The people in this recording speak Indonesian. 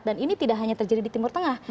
dan ini tidak hanya terjadi di timur tengah